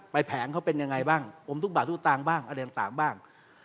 แผงเขาเป็นยังไงบ้างอมทุกบาททุกสตางค์บ้างอะไรต่างบ้าง